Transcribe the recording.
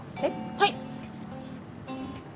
はい。